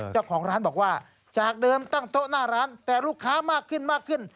เจ้าของร้านบอกว่าจากเดิมตั้งโต๊ะหน้าร้านแต่ลูกค้ามากขึ้นมากขึ้น